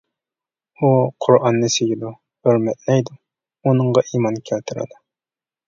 ئۇ قۇرئاننى سۆيىدۇ، ھۆرمەتلەيدۇ، ئۇنىڭغا ئىمان كەلتۈرىدۇ.